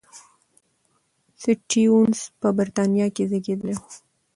سټيونز په بریتانیا کې زېږېدلی و.